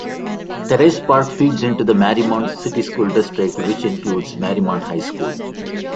Terrace Park feeds into the Mariemont City School District, which includes Mariemont High School.